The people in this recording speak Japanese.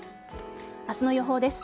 明日の予報です。